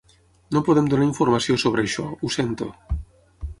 No podem donar informació sobre això, ho sento.